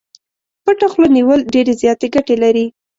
پټه خوله نيول ډېرې زياتې ګټې لري.